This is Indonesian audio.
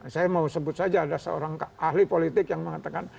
saya mau sebut saja ada seorang ahli politik yang mengatakan